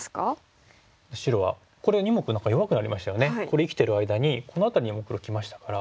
これ生きてる間にこの辺りにも黒きましたから。